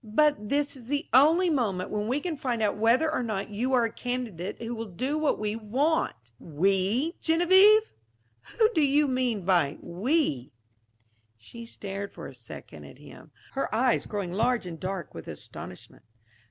"But this is the only moment when we can find out whether or not you are a candidate who will do what we want." "We, Geneviève! Who do you mean by 'we'?" She stared for a second at him, her eyes growing large and dark with astonishment.